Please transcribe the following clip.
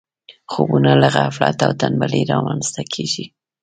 خوبونه له غفلت او تنبلي نه رامنځته کېږي.